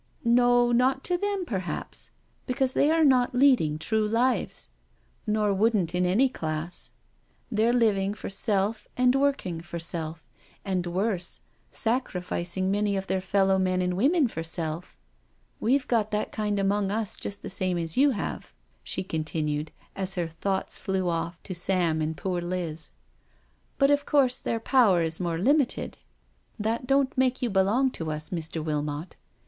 " No, not to them perhaps, because they are not leading true lives, nor wouldn't in any class — they're living for self and working for self, and worse, sacrific ing many of their fellow men and women for self. We've got that kind among us just the same as you have," she continued, as her thoughts flew off to Sam 172 NO SURRENDER and poor Liz, " but, of course, their power is more limited. That don't make you belong to us, Mr. Wilmot."